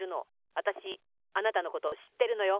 わたしあなたのことしってるのよ。